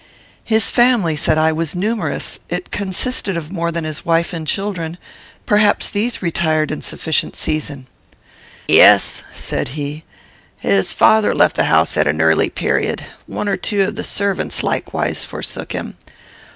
"His family," said I, "was numerous. It consisted of more than his wife and children. Perhaps these retired in sufficient season." "Yes," said he; "his father left the house at an early period. One or two of the servants likewise forsook him.